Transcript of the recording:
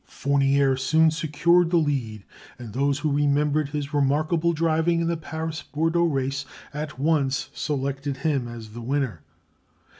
Fournier soon secured the lead, and those who remembered his remarkable driving in the Paris Bordeaux race at once selected him as the winner.